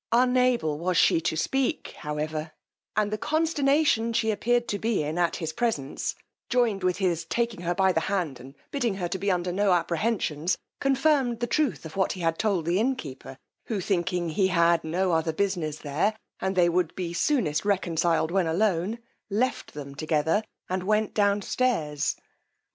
Unable was she to speak, however; and the consternation she appeared to be in at his presence, joined with his taking her by the hand and bidding her be under no apprehensions, confirmed the truth of what he had told the innkeeper, who thinking he had no other business there, and they would be soonest reconciled when alone, left them, together and went down stairs.